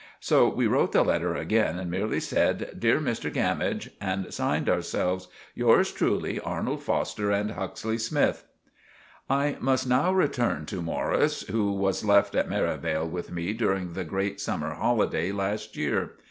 So we wrote the letter again and merely said, "Dere Mr Gammidge," and sined ourselves, "yours truly, Arnold Foster and Huxley Smythe." I must now return to Morris, who was left at Merivale with me during the grate summer holiday last year.